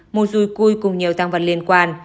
một dùi cui cùng nhiều tăng vật liên quan